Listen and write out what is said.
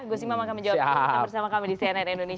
gua simo akan menjawab sama sama kami di cnn indonesia prime news